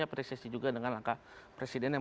apresiasi juga dengan langkah presiden yang